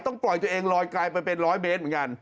ต้องปล่อยตัวเองลอยกลายเป็น๑๐๐เบนต์เหมือนกัน